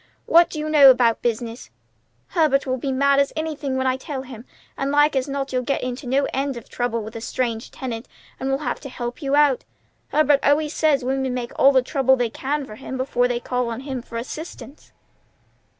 What do you know about business? Herbert will be mad as anything when I tell him; and like as not you'll get into no end of trouble with a strange tenant, and we'll have to help you out. Herbert always says women make all the trouble they can for him before they call on him for assistance."